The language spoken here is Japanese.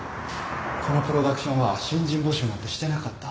このプロダクションは新人募集なんてしてなかった。